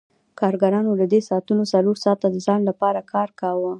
کارګرانو له دې ساعتونو څلور ساعته د ځان لپاره کار کاوه